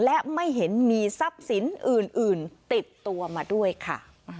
และไม่เห็นมีทรัพย์สินอื่นติดตัวมาด้วยค่ะ